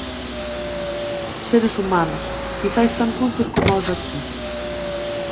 seres humanos, quizais tan cultos coma os de aquí.